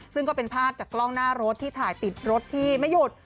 ซึ่งก็เป็นภาพจากกล้องหน้ารถที่ถ่ายติดรถที่ไม่หยุด